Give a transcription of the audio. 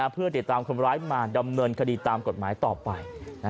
เพื่อติดตามคนร้ายมาดำเนินคดีตามกฎหมายต่อไป